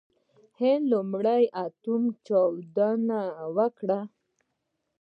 هند خپله لومړۍ اټومي چاودنه وکړه.